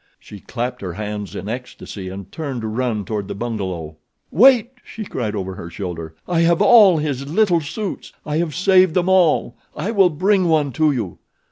She clapped her hands in ecstasy, and turned to run toward the bungalow. "Wait!" she cried over her shoulder. "I have all his little suits—I have saved them all. I will bring one to you."